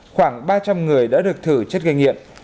khoảng ba trăm linh người đã được thử chất gây nghiện